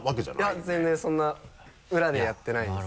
いや全然そんな裏でやってないです。